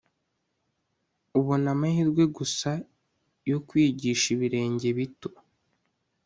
ubona amahirwe gusa yo kwigisha ibirenge bito